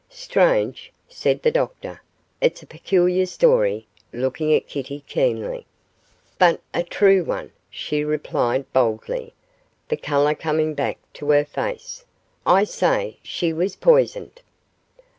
'Strange,' said the doctor, 'it's a peculiar story,' looking at Kitty keenly. 'But a true one,' she replied boldly, the colour coming back to her face; 'I say she was poisoned.